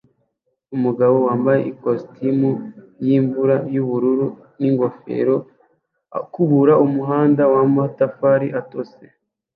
Umugabo wambaye ikositimu yimvura yubururu ningofero akubura umuhanda wamatafari atose